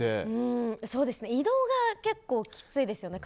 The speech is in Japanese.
移動が結構きついですよね